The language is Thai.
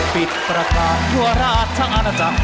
ปิดประกาศทั่วราชอาณาจักร